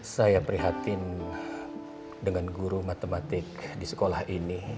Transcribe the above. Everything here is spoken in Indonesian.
saya prihatin dengan guru matematik di sekolah ini